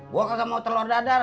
gue kagak mau telur dadar